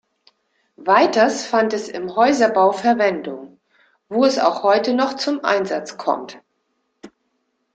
Weiters fand es im Häuserbau Verwendung, wo es auch heute noch zum Einsatz kommt.